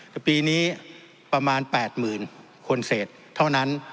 แต่ปีนี้ประมาณ๘๐๐๐คนเศษเท่านั้น